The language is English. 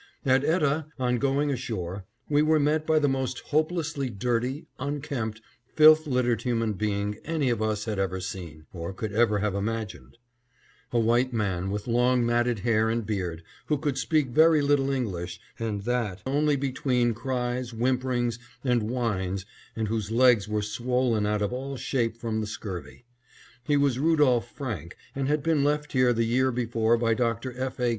At Etah, on going ashore, we were met by the most hopelessly dirty, unkempt, filth littered human being any of us had ever seen, or could ever have imagined; a white man with long matted hair and beard, who could speak very little English and that only between cries, whimperings, and whines, and whose legs were swollen out of all shape from the scurvy. He was Rudolph Franke and had been left here the year before by Dr. F. A.